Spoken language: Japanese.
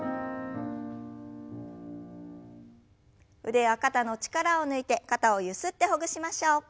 腕や肩の力を抜いて肩をゆすってほぐしましょう。